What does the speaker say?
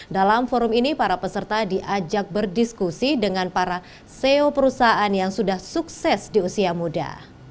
dalam forum ini para peserta diajak berdiskusi dengan para ceo perusahaan yang sudah sukses di usia muda